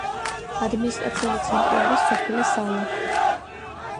ადმინისტრაციული ცენტრი არის სოფელი სალა.